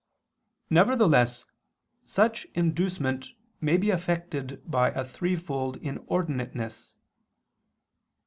Nevertheless such inducement may be affected by a threefold inordinateness.